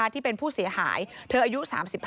ที่เป็นผู้เสียหายเธออายุ๓๕